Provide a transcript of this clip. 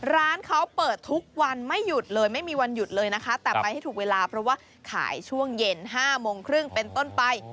ร้านเขาเปิดทุกวันไม่หยุดเลยไม่มีวันหยุดเลยนะคะแต่ไปให้ถูกเวลาเพราะว่าขายช่วงเย็น๕โมงครึ่งเป็นต้นไป